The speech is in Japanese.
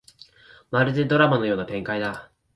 まるでドラマのような展開だ